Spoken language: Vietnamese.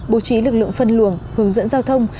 bố trí lực lượng phân luồng hướng dẫn giao thông